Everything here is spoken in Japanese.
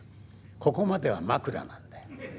ここまではまくらなんだよ。